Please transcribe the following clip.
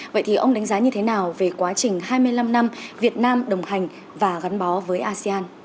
vậy thì ông đánh giá như thế nào về quá trình hai mươi năm năm việt nam đồng hành và gắn bó với asean